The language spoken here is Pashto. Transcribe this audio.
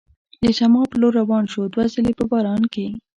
د شمال په لور روان شو، دوه ځله په باران کې.